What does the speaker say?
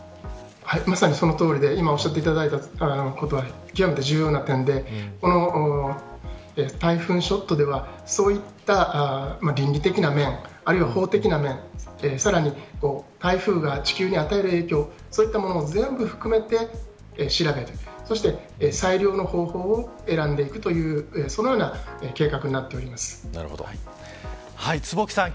まさにそのとおりで今、おっしゃっていただいたことは、極めて重要な点でタイフーンショットではそういった倫理的な面、あるいは法的な面さらに台風が地球に与える影響そういったものを全部含めて調べて最良の方法を選んでいくというそのような坪木さん